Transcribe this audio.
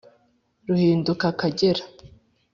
Ruhinduka Akagera